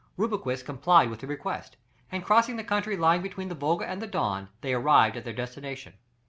Rubruquis complied with the request, and crossing the country lying between the Volga and the Don, they arrived at their destination.